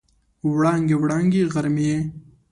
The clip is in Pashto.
وړانګې، وړانګې غر مې یې